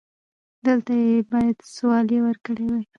دلته يې بايد سواليه ورکړې و.